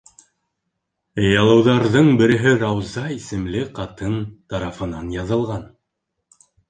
Ялыуҙарҙың береһе Рауза исемле ҡатын тарафынан яҙылған.